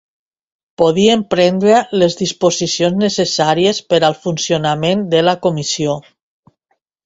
Podien prendre les disposicions necessàries per al funcionament de la Comissió.